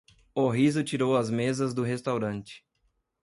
O riso tirou as mesas do restaurante.